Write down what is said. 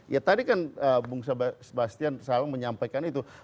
ya tadi kan bung sebastian selalu menyampaikan itu